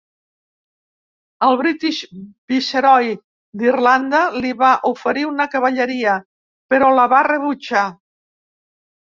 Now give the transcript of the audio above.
El British Viceroy d"Irlanda li va oferir una cavalleria, però la va rebutjar.